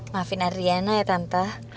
maafin adriana ya tante